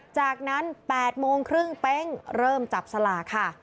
จากนั้น๘๓๐เป้งเริ่มจับสลาค่ะ